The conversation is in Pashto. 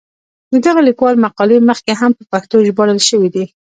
د دغه لیکوال مقالې مخکې هم په پښتو ژباړل شوې دي.